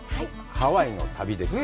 ハワイの旅です。